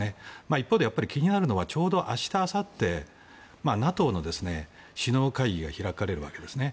一方で気になるのはちょうど明日あさってＮＡＴＯの首脳会議が開かれるわけですね。